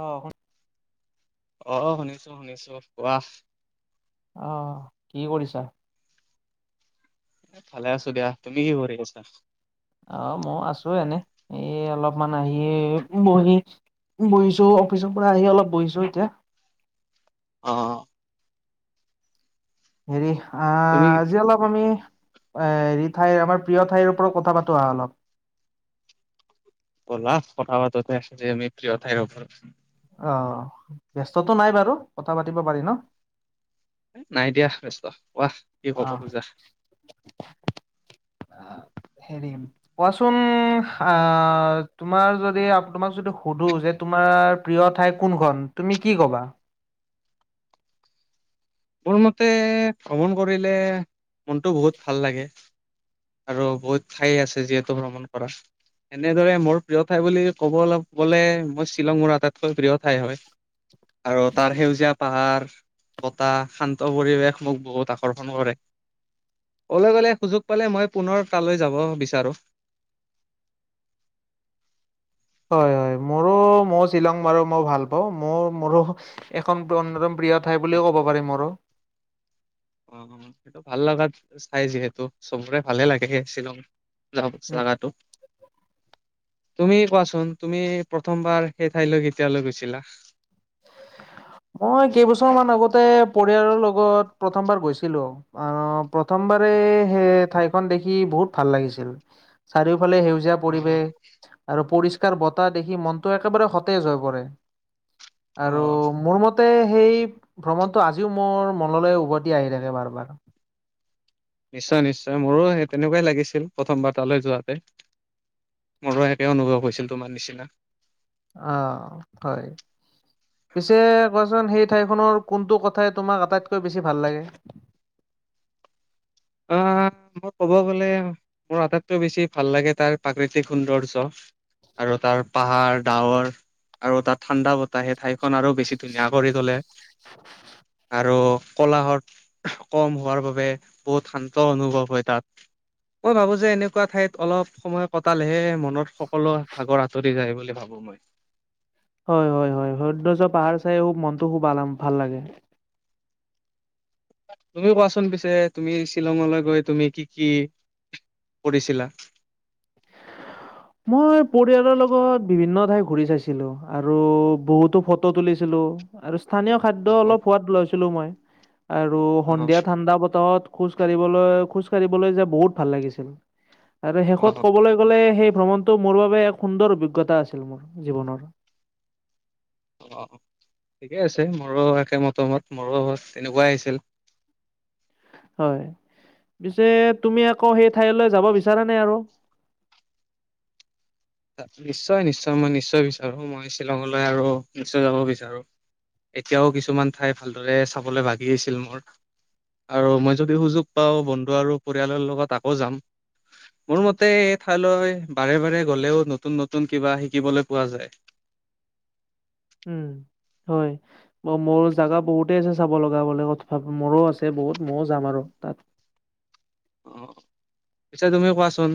অহ অ শুনিছো শুনিছো কোৱা? অহ কি কৰিছা। ভাল আছো দিয়া তুমি কি কৰি আছা। আহ মই আছো এনে এই অলপমান আহি বহি বহিছো অফিচৰ পৰা আহি অলপ বহিছো এতিয়া অ হেৰি তুমি আহ আজি অলপ আমি এ হেৰি ঠাইৰ আমাৰ প্ৰিয় ঠাইৰ ওপৰত কথা পাতো আহা অলপ ব'লা কথা পাতো‌ দে আমি প্ৰিয় ঠাইৰ ওপৰত অ ব্যস্ততটো নাই বাৰু কথা পাতিব পাৰি ন নাই দিয়া ব্যস্ত কোৱা। কি অ কব খোজা। হেৰি কোৱাচোন আহ তোমাৰ যদি তোমাক যদি সুধো যে তোমাৰ তোমাৰ প্ৰিয় ঠাই কোনখন তুমি কি কবা মোৰ মতে ভ্ৰমণ কৰিলে মনটো বহুত ভাল লাগে। আৰু বহুত ঠাই আছে যিহেতু ভ্ৰমণ কৰা এনেদৰে মোৰ প্ৰিয় ঠাই বুলি ক'বলৈ গলে মই শ্বিলঙৰ আটাইতকৈ প্ৰিয় ঠাই হয়। আৰু তাৰ সেউজীয়া পাহাৰ বত এটা শান্ত পৰিৱেশ মোক বহুত আকৰ্ষণ কৰে। কলে গ'লে সুযোগ পালে মই পুনৰ তালৈ যাব বিচাৰোঁ। [unintelligible] হয় হয় মোৰো। মই শ্বিলং বাৰু মই ভাল পাওঁ। মোৰ মোৰো এখন অন্যতম প্ৰিয় ঠাই বুলিও ক'ব পাৰি মোৰো। অ সেইটো ভাল লগাত চাই যিহেতু চবৰে ভালে লাগে সে শ্বিলং। উম, জাগাটো তুমি কোৱাচোন তুমি প্ৰথমবাৰ সেই ঠাইলৈ কেতিয়ালৈ গৈছিলা? মই কেইবছৰ মান আগতে পৰিয়ালৰ লগত প্ৰথমবাৰ গৈছিলো অহ প্ৰথমবাৰে সেই ঠাইখন দেখি বহুত ভাল লাগিছিল। চাৰিওফালে সেউজীয়া অ পৰিৱেশ আৰু পৰিষ্কাৰ বতাহ দেখি মনটো একেবাৰে সতেজ হৈ পৰে অ আৰু মোৰ মতে সেই ভ্ৰমণটো আজিও মোৰ মনলৈ উভতি আহি থাকে বাৰ বাৰ। নিশ্চয় নিশ্চয় মোৰো সেই তেনেকুৱাই লাগিছিল প্ৰথমবাৰ তালৈ যোৱাতে। মোৰো একে অনুভৱ হৈছিল তোমাৰ নিচিনা। আহ হয়। পিছে কোৱাচোন সেই ঠাইখনৰ কোনটো কথাই তোমাক আটাইতকৈ বেছি ভাল লাগে? [unintelligible] মই ক'ব গলে মোৰ আটাইতকৈ বেছি ভাল লাগে তাৰ প্ৰাকৃতিক সৌন্দৰ্য। আৰু তাৰ পাহাৰ ডাৱৰ আৰু তাত ঠাণ্ডা বতাহ সেই ঠাইখন আৰু বেছি ধুনীয়া কৰি তলে। [unintelligible] আৰু কলাহল কম হোৱাৰ বাবে বহুত শান্ত অনুভৱ হয় তাত। মই ভাবো যে এনেকুৱা ঠাইত অলপ সময় কটালেহে মনত সকলো ভাগৰ আঁতৰি যায় বুলি ভাবো মই। [unintelligible] হয় হয় হয় সন্দৰ্য্য পাহাৰ চাই খুব মনটো খুব ভাল লাগে। তুমিও কোৱাচোন পিছে তুমি শ্বিলঙলৈ গৈ তুমি কি কি কৰিছিলা? মই পৰিয়ালৰ লগত বিভিন্ন ঠাই ঘূৰি চাইছিলো আৰু বহুতো ফটো তুলিছিলো। আৰু স্থানীয় খাদ্য অ', অলপ সোৱাদ লৈছিলো মই। আৰু অ', সন্ধিয়া ঠাণ্ডা বতাহত খোজ কাঢ়িবলৈ খোজ কাঢ়িবলৈ যে বহুত ভাল লাগিছিল। আৰু শেষত অ', ক'বলৈ গ'লে সেই ভ্ৰমণটো মোৰ বাবে এক সুন্দৰ অভিজ্ঞতা আছিল মোৰ জীৱনৰ। অ ঠিকে আছে মোৰো একে মতামত মোৰো তেনেকুৱাই আহিছিল। [unintelligible] হয় পিছে তুমি আকৌ সেই ঠাইলৈ যাব বিচাৰা নে আৰু? নিশ্চয় নিশ্চয় মই নিশ্চয় বিচাৰো মই শ্বিলঙলৈ আৰু নিশ্চয় যাব বিচাৰো। এতিয়াও কিছুমান ঠাই ভালদৰে চাবলৈ ভাগি আছিল মোৰ। আৰু মই যদি সুযোগ পাওঁ বন্ধু আৰু পৰিয়ালৰ লগত আকৌ যাম। মোৰ মতে এই ঠাইলৈ বাৰে বাৰে গ'লেও নতুন নতুন কিবা শিকিবলৈ পোৱা যায়। উম। হয় মোৰ জাগা বহুতে আছে চাব লগালে মোৰো আছে বহুত মইও যাম আৰু। তাত অ পিছে তুমি কোৱাচোন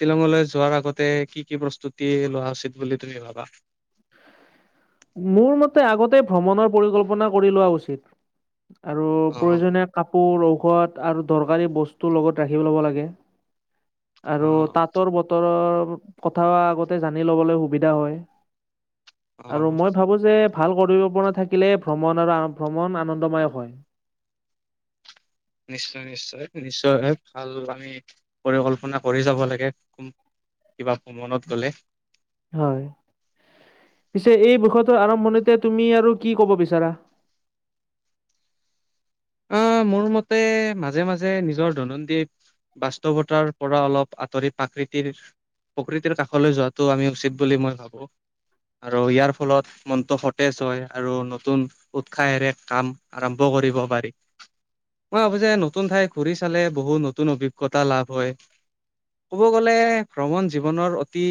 শ্বিলঙলৈ যোৱাৰ আগতে কি কি প্ৰস্তুতি লোৱা উচিত বুলি তুমি ভাবা? [unintelligible] মোৰ মতে আগতে ভ্ৰমণৰ পৰিকল্পনা কৰি লোৱা উচিত। আৰু অ প্ৰয়োজনীয় কাপোৰ সোৱাদ আৰু দৰকাৰী বস্তু লগত ৰাখি ল'ব লাগে অ আৰু তাঁতৰ বতৰৰ কথা আগতে জানি ল'বলৈ সুবিধা হয় অ আৰু মই ভাবো যে ভাল কৰিব পৰা থাকিলে ভ্ৰমণ আৰু ভ্ৰমণ আনন্দমায়ক হয়। নিশ্চয় নিশ্চয় নিশ্চয় ভাল আমি পৰিকল্পনা কৰি যাব লাগে। কিবা ভ্ৰমণত গলে হয় পিছে এই বৰ্ষটোৰ আৰম্ভণিতে তুমি আৰু কি ক'ব বিচাৰা [inaudible] অ মোৰ মতে মাজে মাজে নিজৰ দৈনন্দিন বাস্তৱতাৰ পৰা অলপ আঁতৰি প্ৰাকৃতিৰ প্ৰকৃতিৰ কাষলৈ যোৱাটো আমি উচিত বুলি মই ভাবো। আৰু ইয়াৰ ফলত মনটো সতেজ হয় আৰু নতুন উৎসাহেৰে কাম আৰম্ভ কৰিব পাৰি মই ভাবো যে নতুন ঠাইত ঘূৰি চালে বহুত নতুন অভিজ্ঞতা লাভ হয়। ক'ব গ'লে ভ্ৰমণ জীৱনৰ অতি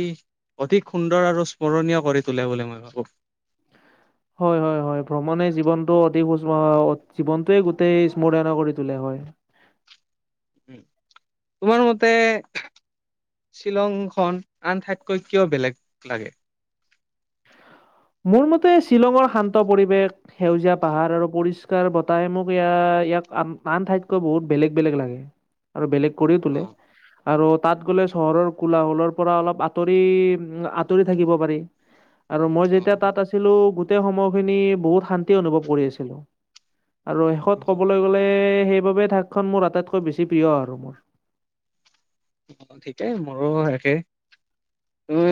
অধিক সুন্দৰ আৰু স্মৰণীয় কৰি তোলে বুলি মই ভাবোঁ। হয় হয় হয় ভ্ৰমণে জীৱনটো অতি [unintelligible] জীৱনটোৱে গোটেই স্মৰণীয় কৰি তোলে হয়। হয় [inaudible] তোমাৰ মতে শ্বিলংখন আন ঠাইতকৈ কিয় বেলেগ লাগে মোৰ মতে শ্বিলঙৰ শান্ত পৰিৱেশ, সেউজীয়া পাহাৰ আৰু পৰিষ্কাৰ বতাহে মোক ইয়া ইয়াক আন আন ঠাইতকৈ বহুত বেলেগ বেলেগ লাগে। আৰু বেলেগ কৰি তোলে অ', আৰু তাত গ'লে চহৰৰ কোলাহলৰ পৰা অলপ আঁতৰি আত- তৰি থাকিব পাৰি আৰু মই যেতি যেতিয়া অ', তাত আছিলো গোটেই সময়খিনি বহুত শান্তি অনুভৱ কৰি আছিলো। আৰু শেষত অ', ক'বলৈ গ'লে সেই সেইবাবে ঠাইখন মোৰ আটাইতকৈ বেছি প্ৰিয় আৰু মোৰ। অ ঠিকেই মোৰো একেই।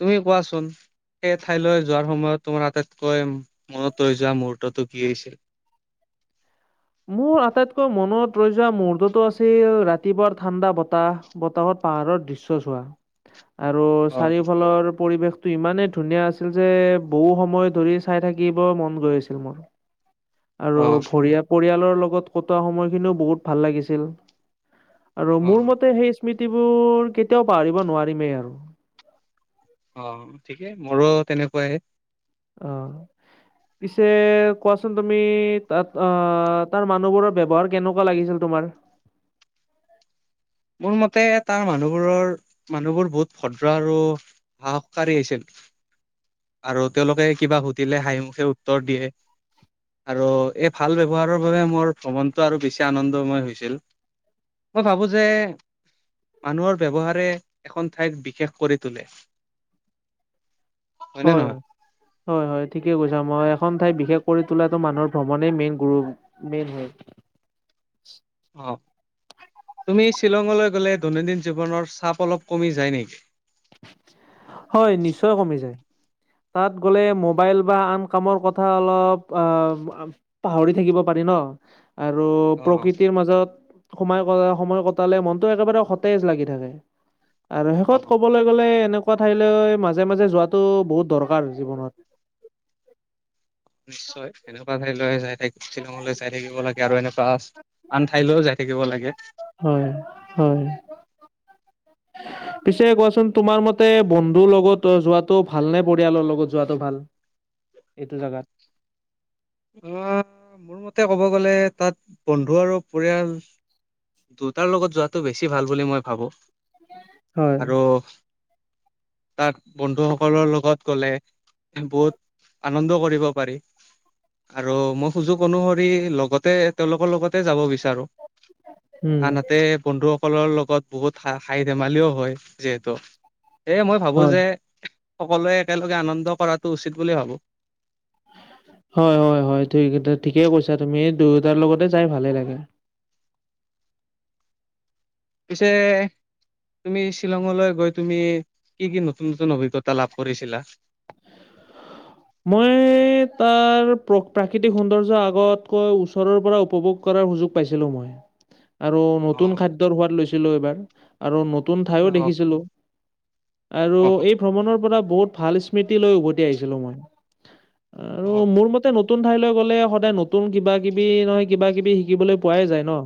তুমি কোৱাচোন সেই ঠাইলৈ যোৱাৰ সময়ত তোমাৰ আটাইতকৈ মনত ৰৈ যোৱা মুহুৰ্তটো কি আইছিল? [inaudible] মোৰ আটাইতকৈ মনত ৰৈ যোৱা মহুৰ্ততটো আছিল ৰাতি ৰাতিপুৱাৰ ঠাণ্ডা বতাহ, বতাহত পাহাৰৰ দৃশ্য চোৱা। আৰু অ', চাৰিওফালৰ পৰিৱেশ টো ইমানেই ধুনীয়া আছিল যে বহু সময় ধৰি চাই থাকিব মন গৈ আছিল মোৰ। আৰু অ', ভৰিয়া পৰিয়ালৰ লগত কটোৱা সময়খিনিও বহুত ভাল লাগিছিল। আৰু মোৰ অ', মতে সেই স্মৃতিবোৰ কেতিয়াও পাহৰিব নোৱাৰিমেই আৰু। অ ঠিকেই মোৰো তেনেকুৱাই। অ পিছে কোৱাচোন তুমি তাত আহ তাৰ মানুহবোৰৰ ব্যৱহাৰ কেনেকুৱা লাগিছিল তোমাৰ [inaudible] মোৰ মতে তাৰ মানুহবোৰৰ মানুহবোৰ বহুত ভদ্ৰ আৰু সাহকাৰী আইছিল। আৰু তেওঁলোকে কিবা সুধিলে হাঁহিমুখে উত্তৰ দিয়ে, আৰু এই ভাল ব্যৱহাৰৰ বাবে মোৰ ভ্ৰমণটো আৰু বেছি আনন্দময় হৈছিল। মই ভাবো যে মানুহৰ ব্যৱহাৰে এখন ঠাইক বিশেষ কৰি তোলে। হয়নে হয়। নহয়? হয় হয় ঠিকে কৈছা মই এখন ঠাই বিশেষ কৰি তোলাটো মানুহৰ ভ্ৰমণেই মেইন গুৰু মেইন হয় [inaudible] অহ। তুমি শ্বিলঙলৈ গলে দৈনন্দিন জীৱনৰ চাপ অলপ কমি যায় নেকি? হয় নিশ্চয় কমি যায়। তাত গলে মোবাইল বা আন কামৰ কথা অলপ পাহৰি থাকিব পাৰি। ন আৰু অ প্ৰকৃতিৰ মাজত। সোমাই ক সময় কটালে মনতটো একেবাৰে সতেজ লাগি থাকে আৰু অ শেষত ক। গলে এনেকুৱা ঠাইলৈ মাজে মাজে যোৱাাতটো বহুত দৰকাৰ জীৱনত। নিশ্চয় এনেকুৱা ঠাইলৈ চাই থাকিব শ্বিলংলৈ যাই থাকিব লাগে। আৰু এনেকুৱা আন ঠাইলৈও যাই থাকিব লাগে। হয় হয়। [unintelligible] পিছে কোৱাচোন তোমাৰ মতে বন্ধুৰ লগত যোৱাটো ভাল নে পৰিয়ালৰ লগত যোৱাটো ভাল। এইটো জেগাত। অ মোৰ মতে ক'ব গ'লে তাত বন্ধু আৰু পৰিয়াল। দুটাৰ লগত যোৱাটো বেছি ভাল বুলি মই ভাবো। হয়। আৰু তাত বন্ধু সকলৰ লগত গলে বহুত। আনন্দ কৰিব পাৰি। আৰু মই সুযোগ অনুসৰি লগতে তেওঁলোকৰ লগতে যাব বিচাৰো। উম আনহাতে বন্ধু। সকলৰ লগত বহুতা খাঁ ধেমালিও হয় যিহেতু সেয়ে মই ভাবো হয়। যে। সকলোৱে একেলগে আনন্দ কৰাটো উচিত বুলি ভাবো। হয় হয় হয় ঠিক ঠিকেই কৈছা তুমি দুয়োটাৰ লগতে যাই ভালে লাগে। [unintelligible] পিছে। তুমি শ্বিলঙলৈ গৈ তুমি কি কি নতুন নতুন অভিজ্ঞতা লাভ কৰিছিলা। [unintelligible] মই। তাৰ প্ৰ প্ৰাকৃতিক সৌন্দৰ্য আগতকৈ ওচৰৰ পৰা উপভোগ কৰাৰ সুযোগ পাইছিলো মই। [unintelligible] আৰু নতুন খাদ্যৰ সোৱাদ লৈছিলো এইবাৰ আৰু নতুন ঠাইো অ', দেখিছিলোঁ। আৰু অ', এই ভ্ৰমণৰ পৰা বহুত ভাল স্মৃতি লৈ উভতি আহিছিলো মই। আৰু অ', অ'। মোৰ মতে নতুন ঠাইলৈ গ'লে সদায় নতুন কিবা কিবি নহয় কিবা কিবি শিকিবলৈ। পোৱাই যায় ন।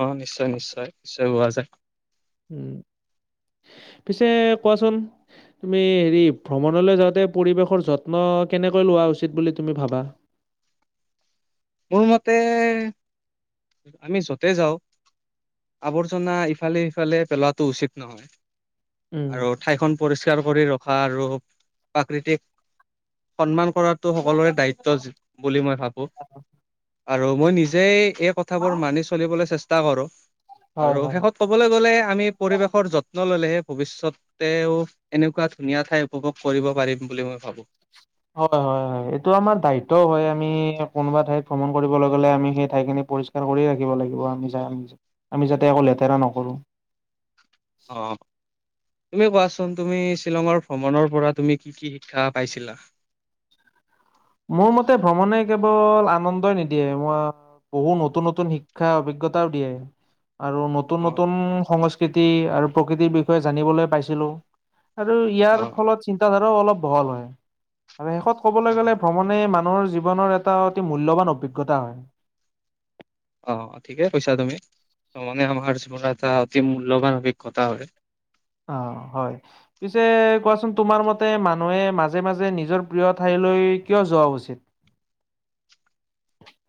অ নিশ্চয় নিশ্চয় নিশ্চয় হোৱা যায়। উম পিছে কোৱাচোন। তুমি হেৰি ভ্ৰমণলৈ যাওঁতে পৰিৱেশৰ যত্ন কেনেকৈ লোৱা উচিত বুলি তুমি ভাবা। মোৰ মতে আমি য'তে যাওঁ। আৱৰ্জনা ইফালে সিফালে পেলোৱাটো উচিত নহয় উম, আৰু ঠাইখন। পৰিষ্কাৰ কৰি ৰখা আৰু প্ৰাকৃতিক সন্মান। কৰাটো সকলোৰে দায়িত্ব বুলি মই ভাবো। আৰু মই নিজেই এই কথাবোৰ মানি চলিবলৈ চেষ্টা কৰোঁ। হয়, আৰু হয়। শেষত ক'বলৈ গ'লে আমি পৰিৱেশৰ যত। যত্ন ললেহে ভৱিষ্যতেও এনেকুৱা ধুনীয়া ঠাই উপভোগ কৰিব পাৰিম বুলি মই ভাবো। হয় হয় হয় এইটো আমাৰ দায়িত্বও হয় আমি কোনোবা ঠাইত ভ্ৰমণ কৰিব লগলে আমি সেই ঠাইখিনি। পৰিষ্কাৰ কৰিয়ে ৰাখিব লাগিব আমি য আমি যাতে আকৌ লেতেৰা নকৰো। [unintelligible] অ তুমি কোৱাচোন তুমি শ্বিলঙৰ ভ্ৰমণৰ পৰা তুমি কি কি শিক্ষা পাইছিলা? [inaudible] মোৰ মতে ভ্ৰমণে কেৱল আনন্দই নিদিয়ে, মই বহুত নতুন নতুন শিক্ষা অভিজ্ঞতা দিয়ে। আৰু নতুন অ', নতুন সংস্কৃতি আৰু প্ৰকৃতিৰ বিষয়ে জানিবলৈ পাইছিলো। আৰু ইয়াৰ অ', ফলত চিন্তা ধাৰাও অলপ বহল হয় আৰু শেষত ক'বলৈ অ'। গ'লে মানে মানুহৰ জীৱনৰ এটা অতি মূল্যবান অভিজ্ঞতা হয়। অ ঠিকে কৈছা তুমি। মানে আমাৰ জীৱনৰ এটা অতি মূল্যবান অভিজ্ঞতা হয়। অ হয় পিছে কোৱাচোন তোমাৰ মতে মানুহে মাজে মাজে নিজৰ প্ৰিয় ঠাই লৈ কিয় যোৱা উচিত? [unintelligible]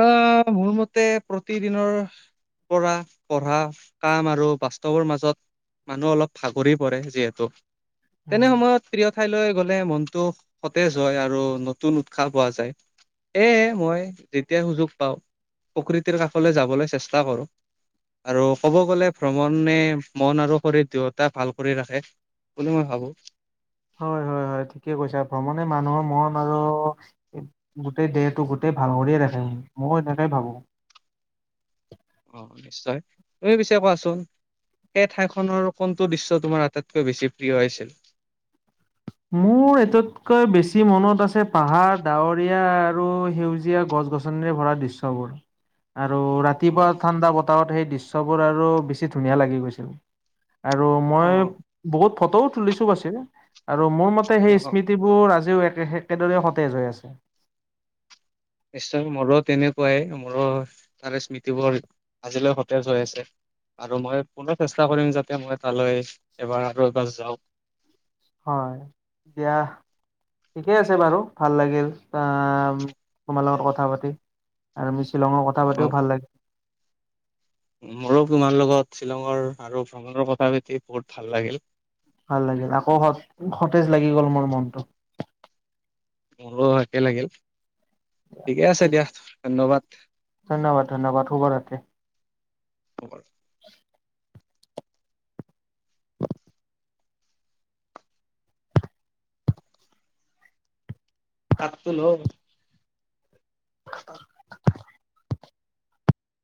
আহ মোৰ মতে প্ৰতিদিনৰ। পৰা পঢ়া কাম আৰু বাস্তৱৰ মাজত। মানুহ অলপ ভাগৰি পৰে যিহেতু তেনে উম সময়ত প্ৰিয়। ঠাইলৈ গ'লে মনটো সতেজ হয় আৰু নতুন উৎসাহ পোৱা যায়। এ মই যেতিয়া সুযোগ পাওঁ প্ৰকৃতিৰ কাষলৈ যাবলৈ চেষ্টা কৰো। আৰু কব গ'লে ভ্ৰমণে মন আৰু শৰীৰ দুয়োটা ভাল কৰি ৰাখে। বুলি মই ভাবো। হয় হয়। হয় ঠিকে কৈছা ভ্ৰমণে মানুহৰ মন আৰু গোটেই দেহটো গোটেই ভাল কৰিয়ে ৰাখে। মইও এনেকে ভাবো। অ নিশ্চয় তুমি পিছে কোৱাচোন। সেই ঠাইখনৰ কোনটো দৃশ্য তোমাৰ আটাইতকৈ বেছি প্ৰিয় হৈছিল? মোৰ এটতকৈ বেছি মনত আছে পাহাৰ, ডাৱৰীয়া আৰু সেউজীয়া গছ গছনিৰে ভৰা দৃশ্যবোৰ। আৰু ৰাতিপুৱা অ', ঠাণ্ডা বতাহত সেই দৃশ্যবোৰ আৰু বেছি ধুনীয়া লাগি গৈছিল। আৰু মই অ', বহুত ফটোও তুলিছো পাছে। আৰু মোৰ মতে সেই অ'। স্মৃতিবোৰ আজিও একেদৰে সতেজ হৈ আছে। নিশ্চয় মোৰো তেনেকুৱাই মোৰো তাৰে স্মৃতিবোৰ আজিলৈ সতেজ হৈ আছে। আৰু মই পুনৰ চেষ্টা কৰিম যাতে মই তালৈ এবাৰ আৰু এবাৰ যাওঁ। হয় এতিয়া ঠিকেই আছে বাৰু ভাল লাগিল আহ তোমাৰ লগত কথা পাতি আৰু মিচ শ্বিলঙত কথা অ পাতিও ভাল লাগিল। মোৰো তোমাৰ লগত শ্বিলঙৰ আৰু ভ্ৰমণৰ কথা পাতি বহুত ভাল লাগিল। ভাল লাগিল আকৌ সতেজ লাগি গল মোৰ মনটো। মোৰো একে লাগিল ঠিকে আছে দিয়া ধন্যবাদ। ধন্যবাদ ধন্যবাদ শুভৰাত্ৰি [unintelligible] [unintelligible] থাকতুল [unintelligible]